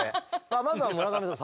まずは村上さん